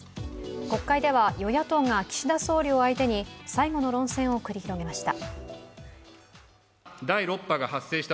国会では与野党が岸田総理を相手に最後の論戦を繰り広げました。